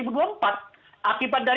tidak perlu khawatir